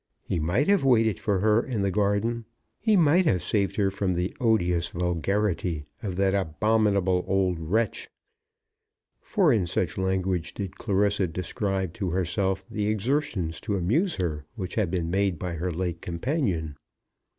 He might have waited for her in the garden. He might have saved her from the "odious vulgarity" of that "abominable old wretch." For in such language did Clarissa describe to herself the exertions to amuse her which had been made by her late companion.